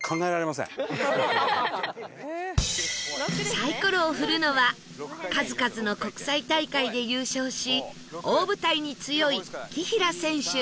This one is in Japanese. サイコロを振るのは数々の国際大会で優勝し大舞台に強い紀平選手